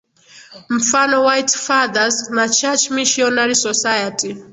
mfano White Fathers na Church Missionary Society